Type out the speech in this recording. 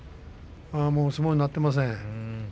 相撲になっていません。